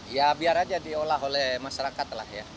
ya biar aja diolah oleh masyarakat lah ya